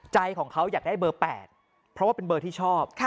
ใจของเขาอยากได้เบอร์๘เพราะว่าเป็นเบอร์ที่ชอบ